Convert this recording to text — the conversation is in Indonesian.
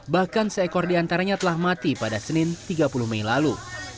bahkan seekor diantaranya telah mati pada senin tiga puluh mei lalu